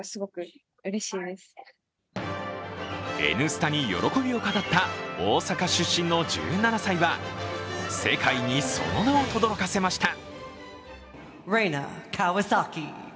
「Ｎスタ」に喜びを語った大阪出身の１７歳は世界にその名をとどろかせました。